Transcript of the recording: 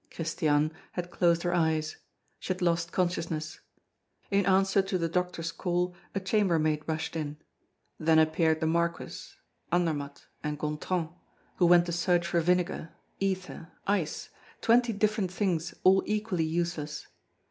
Christiane had closed her eyes. She had lost consciousness. In answer to the doctor's call, a chambermaid rushed in; then appeared the Marquis, Andermatt, and Gontran, who went to search for vinegar, ether, ice, twenty different things all equally useless.